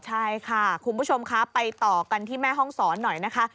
ใช่ค่ะคุณผู้ชมคะไปต่อกันที่แม่ห้องศรหน่อยนะคะ